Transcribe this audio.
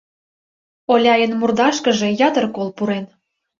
Оляйын мурдашкыже ятыр кол пурен..